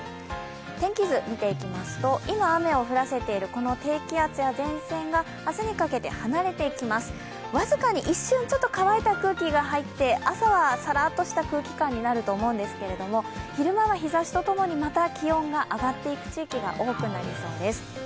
天気図、見ていきますと今、雨を降らせているこの低気圧や前線が明日にかけて離れていきます、僅かに一瞬、乾いた空気が入って朝はさらっとした空気感になると思いますが昼間は日ざしとともにまた気温が上がっていく地域が多くなりそうです。